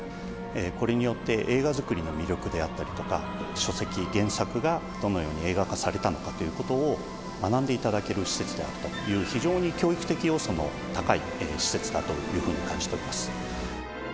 これによって映画作りの魅力であったりとか、書籍、原作がどのように映画化されたのかということを学んでいただける施設であるという、非常に教育的要素の高い施設だというふうに感じております。